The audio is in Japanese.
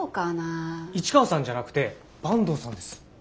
市川さんじゃなくて坂東さんです。